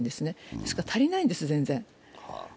ですから足りないんです、全然。